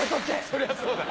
そりゃそうだ。